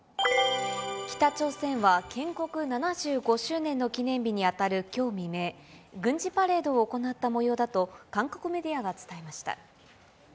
北朝鮮は建国７５周年の記念日に当たるきょう未明、軍事パレードを行ったもようだと、韓国メディアが伝えました。